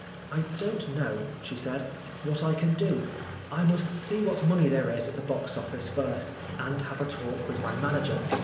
" I don't know," she said, "what I can do ? I must see what money there is at the box office first, and have a talk with my manager.